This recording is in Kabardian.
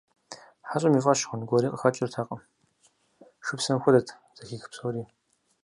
ХьэщӀэм и фӀэщ хъун гуэри къыхэкӀыртэкъым, шыпсэм хуэдэт зэхих псори.